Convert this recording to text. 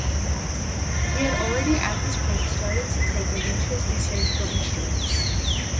He had already at this point started to take an interest in surgical instruments.